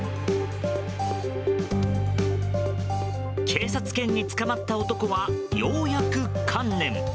警察犬に捕まった男はようやく観念。